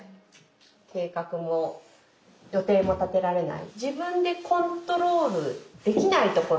計画も予定も立てられないでその瞬間